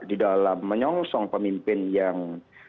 di dalam menyongsong pemimpin yang